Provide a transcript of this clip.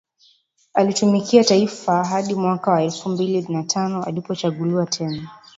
Alitumikia taifa hadi mwaka wa elfumbili na tano alipochaguliwa tena